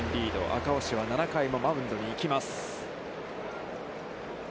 赤星は７回のマウンドに行きます。